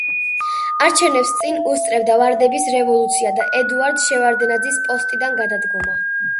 არჩევნებს წინ უსწრებდა ვარდების რევოლუცია და ედუარდ შევარდნაძის პოსტიდან გადადგომა.